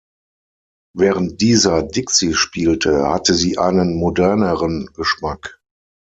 Während dieser Dixie spielte, hatte sie einen moderneren Geschmack.